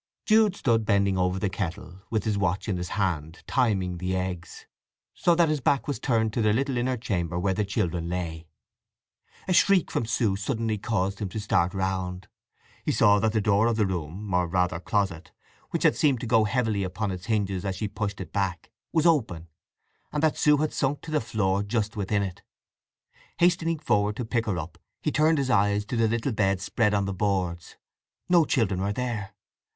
Jude stood bending over the kettle, with his watch in his hand, timing the eggs, so that his back was turned to the little inner chamber where the children lay. A shriek from Sue suddenly caused him to start round. He saw that the door of the room, or rather closet—which had seemed to go heavily upon its hinges as she pushed it back—was open, and that Sue had sunk to the floor just within it. Hastening forward to pick her up he turned his eyes to the little bed spread on the boards; no children were there.